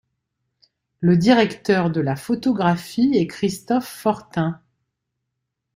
Le directeur de la photographie est Christophe Fortin.